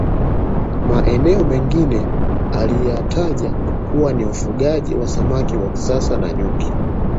Maeneo mengine aliyataja kuwa ni ufugaji samaki wa kisasa na nyuki